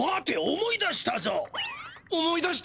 思い出したって！？